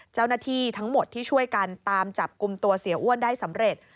เจ้าหน้าที่ทั้งหมดที่ช่วยกันตามจับกลุ่มตัวเสียอ้วนได้สำเร็จ